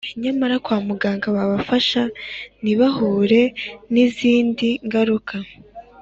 nyamara kwa muganga babafasha ntibahure n’izindi ngaruka